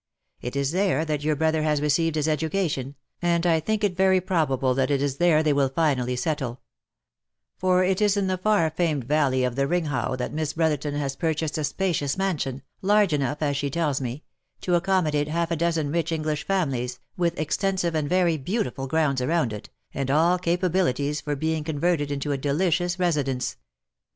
It is there that your brother has received his education, and I think it very probable that it is there they will finally settle ; for it is in the far famed valley of the Rhingau that Miss BrothertOR has purchased a spacious mansion, large enough, as she tells me, to accommodate half a dozen rich English families, with extensive and very beautiful grounds around it, and all capabilities for being con verted into a delicious residence."